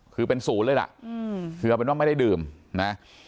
คือเป็นศูนย์เลยล่ะคือเอาเป็นว่าไม่ได้ดื่มนะ